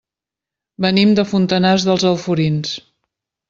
Venim de Fontanars dels Alforins.